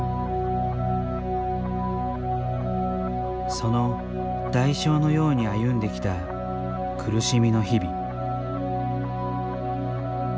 その代償のように歩んできた苦しみの日々。